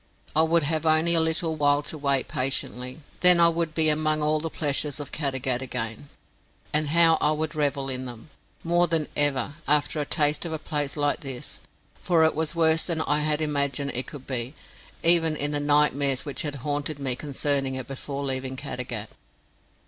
I would have only a little while to wait patiently, then I would be among all the pleasures of Caddagat again; and how I would revel in them, more than ever, after a taste of a place like this, for it was worse than I had imagined it could be, even in the nightmares which had haunted me concerning it before leaving Caddagat.